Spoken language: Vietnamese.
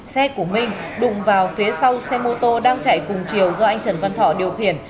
xe của minh đụng vào phía sau xe mô tô đang chạy cùng chiều do anh trần văn thọ điều khiển